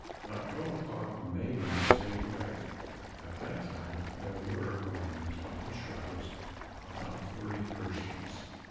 About twelve o'clock the main mast gave way; at that time there were on the main top and shrouds about forty persons.